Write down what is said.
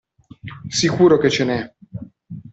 Sicuro che ce n'è!